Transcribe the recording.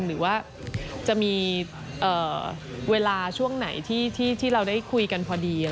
หรือว่าจะมีเวลาช่วงไหนที่เราได้คุยกันพอดี